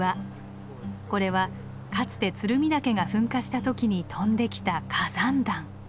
これはかつて鶴見岳が噴火した時に飛んできた火山弾。